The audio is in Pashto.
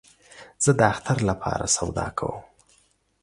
زه د اختر له پاره سودا کوم